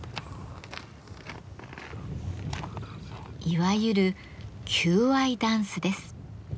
いわゆる「求愛ダンス」です。